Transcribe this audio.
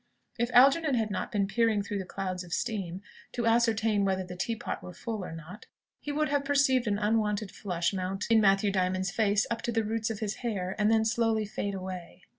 If Algernon had not been peering through the clouds of steam, to ascertain whether the tea pot were full or not, he would have perceived an unwonted flush mount in Matthew Diamond's face up to the roots of his hair, and then slowly fade away.